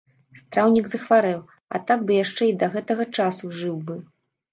Страўнік захварэў, а так бы яшчэ і да гэтага часу жыў бы.